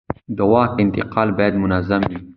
د واک انتقال باید منظم وي